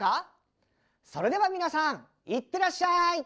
それでは皆さん行ってらっしゃい！